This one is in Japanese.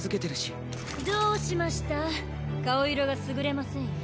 顔色が優れませんよ